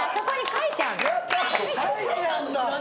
・書いてあんだ！